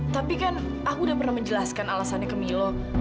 tapi kan aku udah pernah menjelaskan alasannya ke milo